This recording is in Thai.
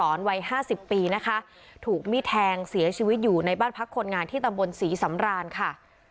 วัยห้าสิบปีนะคะถูกมีดแทงเสียชีวิตอยู่ในบ้านพักคนงานที่ตำบลศรีสำรานค่ะ